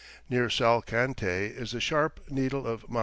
Near Salcantay is the sharp needle of Mt.